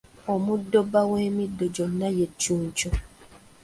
Omuddo bba w’emiddo gyonna ye Cuucu.